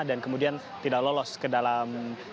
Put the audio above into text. dan kemudian tidak lolos ke dalam